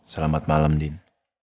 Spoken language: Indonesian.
selamat malam din